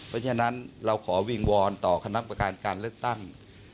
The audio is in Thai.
เพราะฉะนั้นเราขอวิงวอนต่อคณะประการการเลือกตั้ง